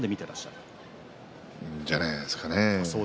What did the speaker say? いくんじゃないですかね。